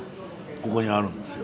ここにあるんですよ。